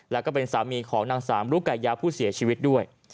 แล้วก็เป็นสามีของนางสามรุกายยาผู้เสียชีวิตด้วย